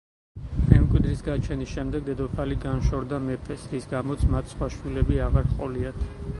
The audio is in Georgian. მემკვიდრის გაჩენის შემდეგ დედოფალი განშორდა მეფეს, რის გამოც მათ სხვა შვილები აღარ ჰყოლიათ.